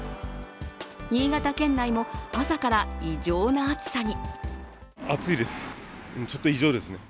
新潟県内も、朝から異常な暑さに。